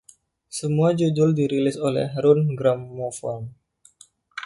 Semua judul dirilis oleh Rune Grammofon.